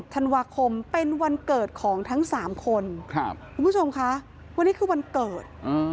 ธันวาคมเป็นวันเกิดของทั้ง๓คนคุณผู้ชมคะวันนี้คือวันเกิด